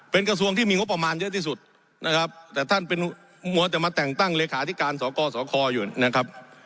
เป็นกระทรวงที่มีงบประมาณเยอะที่สุดนะครับแต่ท่านเป็นมัวแต่มาแต่งตั้งเลขาธิการสกสคอยู่นะครับ